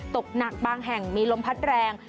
ตกหนักบางแห่งมีลมพัดแรง